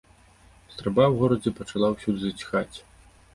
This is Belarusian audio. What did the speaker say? Стральба ў горадзе пачала ўсюды заціхаць.